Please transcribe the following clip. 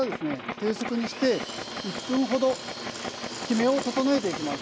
低速にして１分ほどきめを整えていきます。